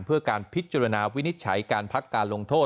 เพื่อการพิจารณาวินิจฉัยการพักการลงโทษ